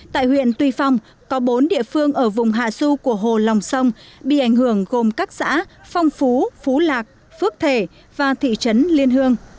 tại huyện tuy phong có bốn địa phương ở vùng hạ du của hồ lòng sông bị ảnh hưởng gồm các xã phong phú phú lạc phước thể và thị trấn liên hương